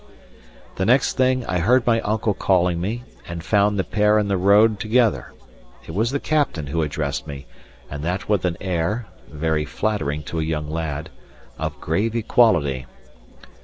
The next thing, I heard my uncle calling me, and found the pair in the road together. It was the captain who addressed me, and that with an air (very flattering to a young lad) of grave equality.